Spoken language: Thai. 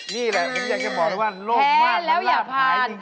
นี่แหละมึงอยากจะบอกนะว่าโรคมากมันราบหายจริง